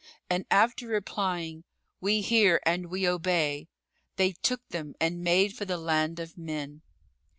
And after replying, "We hear and we obey," they took them and made for the land of men.